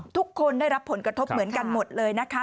ทุกคนได้รับผลกระทบเหมือนกันหมดเลยนะคะ